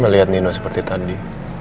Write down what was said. melihat nino seperti tadi